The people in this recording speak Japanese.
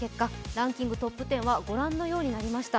ランキングトップ１０はご覧のようになりました。